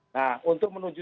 nah untuk menuju